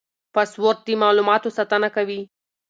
پاسورډ د معلوماتو ساتنه کوي.